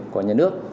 của nhà nước